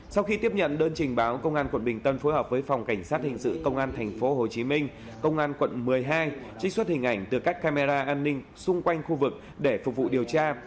sau khi tiếp nhận đơn trình báo công an quận bình tân phối hợp với phòng cảnh sát hình sự công an tp hcm công an quận một mươi hai trích xuất hình ảnh từ các camera an ninh xung quanh khu vực để phục vụ điều tra